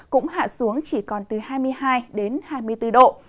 cũng hạ xuống chỉ còn từ hai mươi hai đến hai mươi bốn độ